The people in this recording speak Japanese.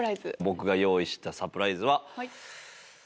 僕が用意したサプライズは。